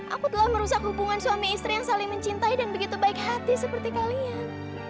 aku telah merusak hubungan suami istri yang saling mencintai dan begitu baik hati seperti kalian